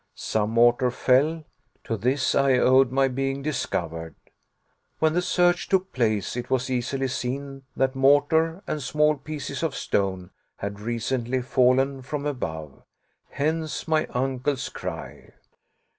Some mortar fell. To this I owed my being discovered. When the search took place, it was easily seen that mortar and small pieces of stone had recently fallen from above. Hence my uncle's cry.